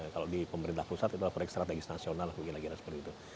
kalau di pemerintah pusat itu adalah strategis nasional gila gila seperti itu